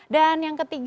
dan yang ketiga